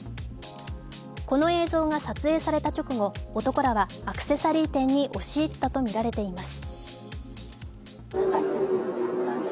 この映像が撮影された直後男らはアクセサリー店に押し入ったとみられています。